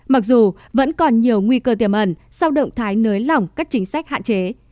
mặc dù vẫn còn nhiều nguy cơ tiềm ẩn sau động thái nới lỏng các chính sách hạn chế